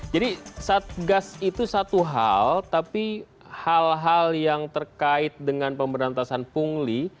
jadi gas itu satu hal tapi hal hal yang terkait dengan pemberantasan punggri